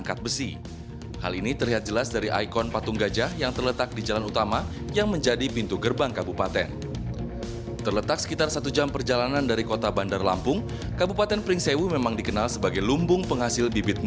kepala pembangunan angkat besi